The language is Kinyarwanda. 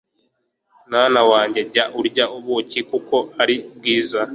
Mwana wanjye jya urya ubuki kuko ari bwiza